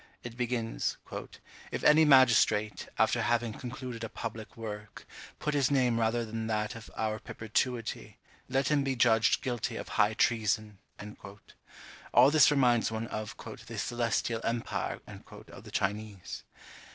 It begins, "If any magistrate, after having concluded a public work, put his name rather than that of Our Perpetuity, let him be judged guilty of high treason." All this reminds one of "the celestial empire" of the Chinese.